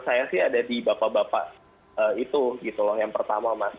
dan saya sih ada di bapak bapak itu gitu loh yang pertama mas